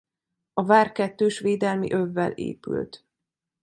A vár kettős védelmi övvel épült.